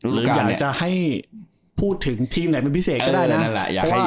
หรืออยากจะให้พูดถึงทีมไหนเป็นพิเศษก็ได้นะ